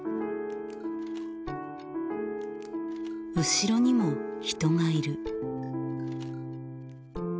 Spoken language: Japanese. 後ろにも人がいる。